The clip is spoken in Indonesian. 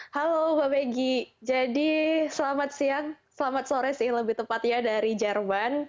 halo mbak begi jadi selamat siang selamat sore sih lebih tepat ya dari jerman